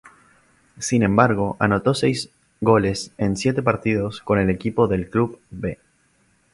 Sin embargo, anotó seis goles en siete partidos con el equipo del club 'B'.